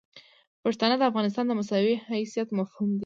پښتانه د افغانستان د مساوي حیثیت مفهوم دي.